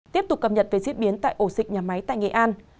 tiếp tục cập nhật về diễn biến tại ổ dịch nhà máy tại nghệ an